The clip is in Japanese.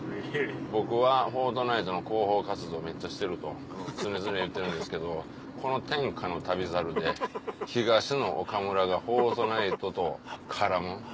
僕は『フォートナイト』の広報活動めっちゃしてると常々言ってるんですけどこの天下の『旅猿』で東野岡村が『フォートナイト』と絡む。